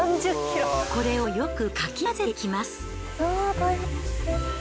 これをよくかき混ぜていきます。